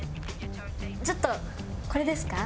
ちょっとこれですか？